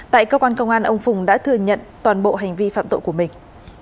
tại cơ quan công an ông phùng đã thừa nhận toàn bộ hành vi phạm tội của mình